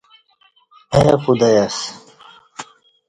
اہ خدائی اسہ